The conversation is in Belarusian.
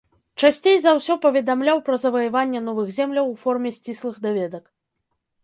Часцей за ўсё паведамляў пра заваяванне новых земляў у форме сціслых даведак.